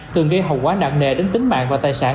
thường gây hậu quả nặng nề đến tính mạng và tài sản